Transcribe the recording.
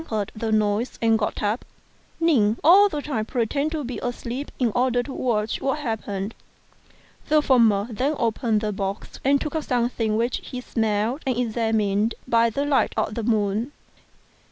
Yen heard the noise and got up, Ning all the time pretending to be asleep in order to watch what happened. The former then opened the box, and took out something which FROM A CHINESE STUDIO. I2 9 he smelt and examined by the light of the moon.